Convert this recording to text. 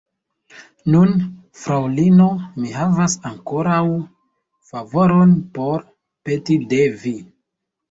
Nun, fraŭlino, mi havas ankoraŭ favoron por peti de vi.